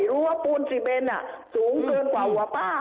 รู้ว่าปูนซีเบนสูงเกินกว่าหัวป้า